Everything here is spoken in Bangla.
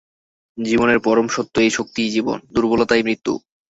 জীবনের পরম সত্য এই শক্তিই জীবন, দুর্বলতাই মৃত্যু।